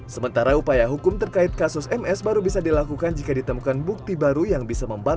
sementara upaya hukum terkait kasus ms baru bisa dilakukan jika ditemukan bukti baru yang bisa membantu